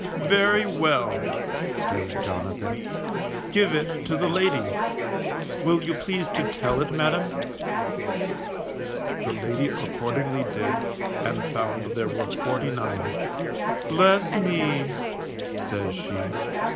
Very well_, says Jonathan, give it to the lady. Will you please to tell it, madam? The lady accordingly did, and found there were forty nine. Bless me! says she.